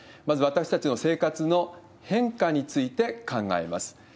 まず私たちの生活の変化について考えます。